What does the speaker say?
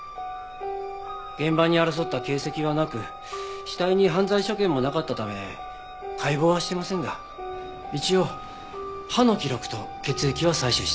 現場に争った形跡はなく死体に犯罪所見もなかったため解剖はしてませんが一応歯の記録と血液は採取してあります。